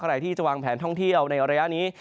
ใครที่จะวางแผนท่องเที่ยวในระยะนี้